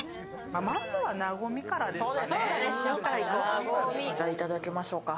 まずは和みからですかね。